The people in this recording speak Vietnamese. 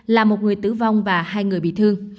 là một người tử vong và hai người bị thương